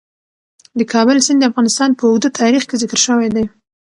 د کابل سیند د افغانستان په اوږده تاریخ کې ذکر شوی دی.